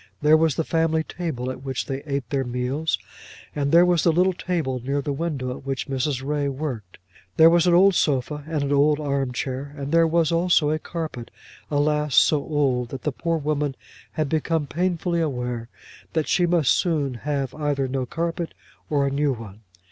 There was the family table at which they ate their meals; and there was the little table near the window at which Mrs. Ray worked. There was an old sofa, and an old arm chair; and there was, also, a carpet, alas, so old that the poor woman had become painfully aware that she must soon have either no carpet or a new one.